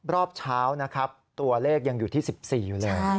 รอบเช้านะครับตัวเลขยังอยู่ที่๑๔อยู่เลย